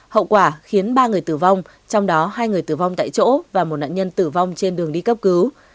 hậu quả khiến ba người tử vong trong đó hai người tử vong tại chỗ và một nạn nhân tử vong trên đường đi cấp cứu